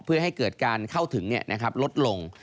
เพื่อให้เกิดการเข้าถึงลดลง